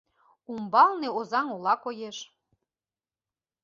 Умбалне Озаҥ ола коеш.